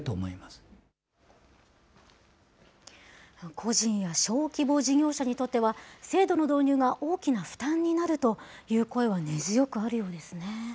個人や小規模事業者にとっては、制度の導入が大きな負担になるという声は根強くあるようですね。